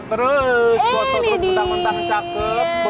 boto terus mentah mentah cakep